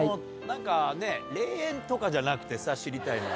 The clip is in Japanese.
なんか、霊園とかじゃなくてさ、知りたいのは。